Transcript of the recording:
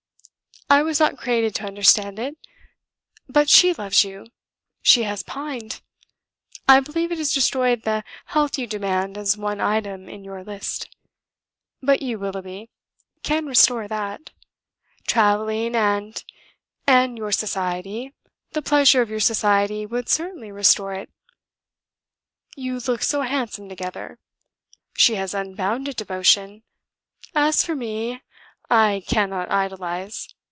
I was not created to understand it. But she loves you, she has pined. I believe it has destroyed the health you demand as one item in your list. But you, Willoughby, can restore that. Travelling, and ... and your society, the pleasure of your society would certainly restore it. You look so handsome together! She has unbounded devotion! as for me, I cannot idolize.